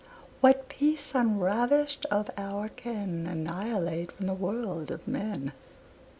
What peace, unravished of our ken, Annihilate from the world of men?